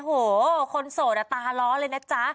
โหคนโสดอะตาล้อเลยนะจ๊ะ